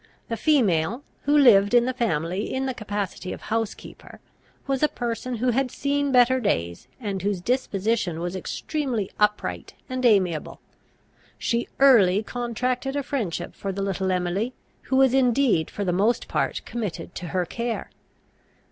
The female, who lived in the family in the capacity of housekeeper, was a person who had seen better days, and whose disposition was extremely upright and amiable. She early contracted a friendship for the little Emily, who was indeed for the most part committed to her care.